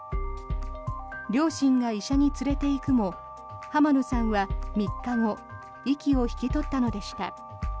両親が医者に連れていくも浜野さんは３日後息を引き取ったのでした。